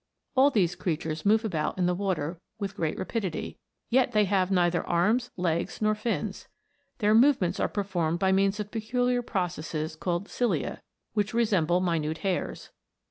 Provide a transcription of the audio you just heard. All these creatures move about in the water with great rapidity, yet they have neither arms, legs, nor fins. Their movements are performed by means of pecu liar processes called cilia, which resemble minute hairs.